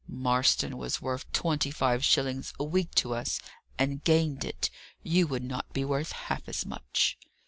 "Marston was worth twenty five shillings a week to us: and gained it. You would not be worth half as much."